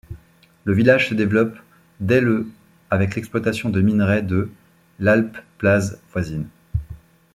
Le village se développe dès le avec l'exploitation de minerai de l'Alp Plaz voisine.